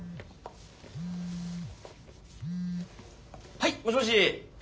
はいもしもし！